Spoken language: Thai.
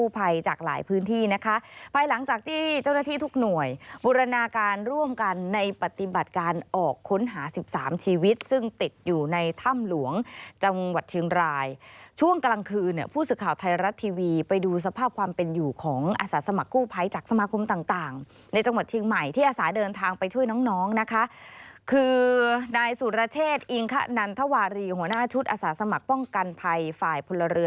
ปฏิบัติการออกค้นหา๑๓ชีวิตซึ่งติดอยู่ในถ้ำหลวงจังหวัดเชียงรายช่วงกลางคืนเนี่ยผู้สื่อข่าวไทยรัฐทีวีไปดูสภาพความเป็นอยู่ของอาสาสมกู้ภัยจากสมาคมต่างในจังหวัดเชียงใหม่ที่อาสาเดินทางไปช่วยน้องนะคะคือนายสุรเชษฐ์อิงคะนันทวารีหัวหน้าชุดอาสาสมกป้องกันภัย